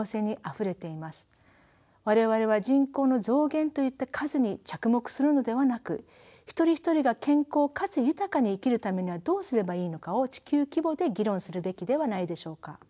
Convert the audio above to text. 我々は人口の増減といった数に着目するのではなく一人一人が健康かつ豊かに生きるためにはどうすればいいのかを地球規模で議論するべきではないでしょうか。